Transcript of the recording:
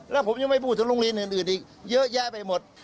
แล้วผมยังไม่พูดถึงโรงเรียนอื่นอีกเยอะแยะไปหมด